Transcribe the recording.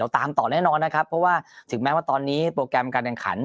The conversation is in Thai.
ตามต่อแน่นอนนะครับเพราะว่าถึงแม้ว่าตอนนี้โปรแกรมการแข่งขัน